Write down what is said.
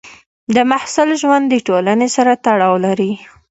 د محصل ژوند د ټولنې سره تړاو لري.